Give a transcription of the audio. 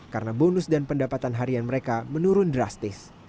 karena bonus dan pendapatan harian mereka menurun drastis